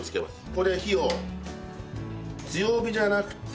これ火を強火じゃなくて中火。